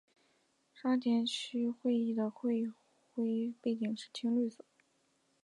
沙田区议会的会徽背景是青绿色。